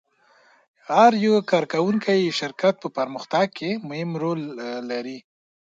هر کارکوونکی د شرکت په پرمختګ کې مهم رول لري.